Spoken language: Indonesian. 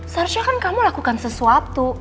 seharusnya kan kamu lakukan sesuatu